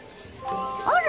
あら！